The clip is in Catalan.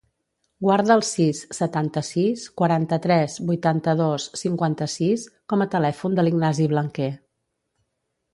Guarda el sis, setanta-sis, quaranta-tres, vuitanta-dos, cinquanta-sis com a telèfon de l'Ignasi Blanquer.